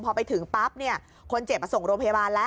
พอไปถึงปั๊บเนี่ยคนเจ็บส่งโรงพยาบาลแล้ว